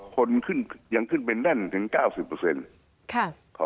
คนขึ้นไปแน่นเพียง๙๐